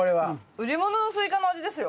売り物のスイカの味ですよ。